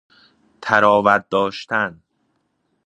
طراوت داشتن